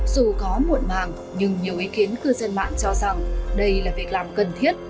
dù có muộn màng nhưng nhiều ý kiến cư dân mạng cho rằng đây là việc làm cần thiết